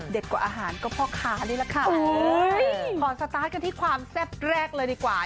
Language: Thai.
กว่าอาหารก็พ่อค้านี่แหละค่ะขอสตาร์ทกันที่ความแซ่บแรกเลยดีกว่า